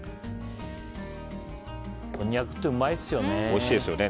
こんにゃくってうまいですよね。